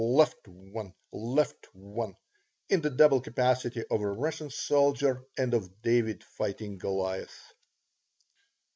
Left one! Left one!" in the double capacity of a Russian soldier and of David fighting Goliath.